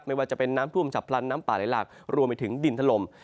ไม่ว่าจะเป็นน้ำท่วมฉับพลันน้ำป่าไหลหลากรวมไปถึงดินถล่ม